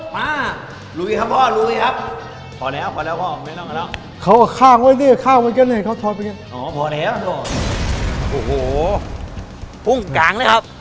มาลุยครับครับพ่อลุยครับ